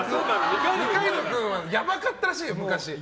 二階堂君はやばかったらしいよ、昔。